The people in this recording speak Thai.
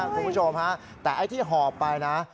คุณผู้ชมฮะแต่ไอ้ที่หอบไปนะ